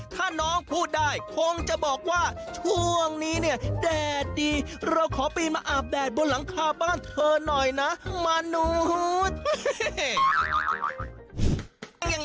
ถ้าน้องพูดได้คงจะบอกว่าช่วงนี้เนี่ยแดดดีเราขอปีนมาอาบแดดบนหลังคาบ้านเธอหน่อยนะมานู้น